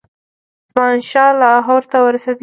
زمانشاه لاهور ته ورسېدی.